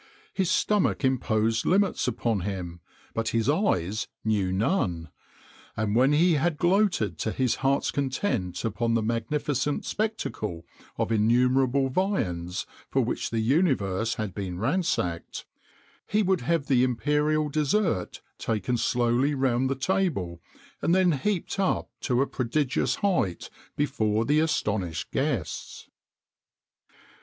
His stomach imposed limits upon him, but his eyes knew none; and when he had gloated to his heart's content upon the magnificent spectacle of innumerable viands for which the universe had been ransacked, he would have the imperial dessert taken slowly round the table, and then heaped up to a prodigious height before the astonished guests.